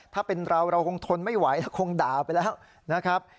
ถ้าเป็นเราเราคงทนไม่ไหวแล้วคงด่าไปแล้วนะครับ